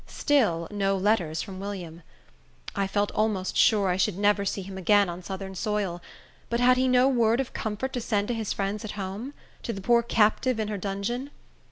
Still no letters from William. I felt almost sure I should never see him again on southern soil; but had he no word of comfort to send to his friends at home? to the poor captive in her dungeon?